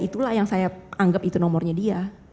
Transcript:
itulah yang saya anggap itu nomornya dia